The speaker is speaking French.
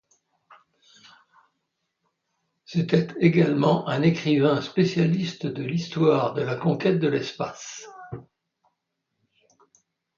C'était également un écrivain spécialiste de l'histoire de la conquête de l'espace.